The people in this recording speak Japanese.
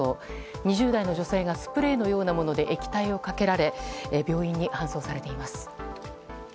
２０代の女性がスプレーのようなもので液体をかけられ病院に搬送されています。